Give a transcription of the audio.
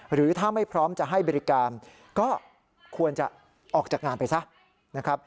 หรือถ้าไม่พร้อมจะให้บริการก็ควรจะออกจากงานไปซะนะครับ